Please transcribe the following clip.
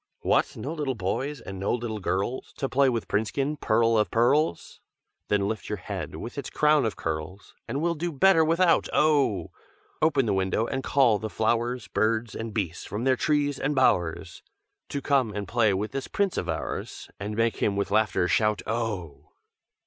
"'What! no little boys, and no little girls, To play with Princekin, pearl of pearls? Then lift your head, with its crown of curls, And we'll do better without, oh! Open the window and call the flowers Birds and beasts from their trees and bowers, To come and play with this Prince of ours, And make him with laughter shout, oh!'